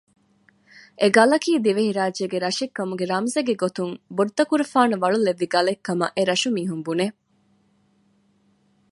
އެގަލަކީ ދިވެހިރާއްޖޭގެ ރަށެއްކަމުގެ ރަމްޒެއްގެ ގޮތުން ބޮޑުތަކުރުފާނު ވަޅުލެއްވި ގަލެއް ކަމަށް އެރަށު މީހުން ބުނެ